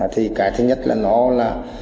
thì cái thứ nhất là nó là